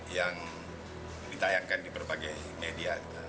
yang ditayangkan di berbagai media